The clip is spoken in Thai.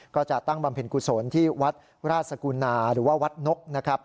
ก็จะตั้งบำเพ็ญกุศลที่วัดราชกุณาหรือว่าวัดนกนะครับ